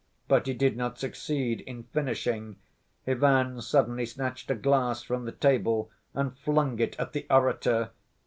But he did not succeed in finishing; Ivan suddenly snatched a glass from the table and flung it at the orator.